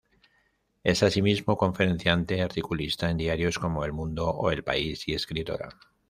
Es, asimismo, conferenciante, articulista en diarios como "El Mundo" o "El País" y escritora.